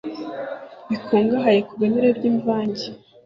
bikungahaye ku binure byimvange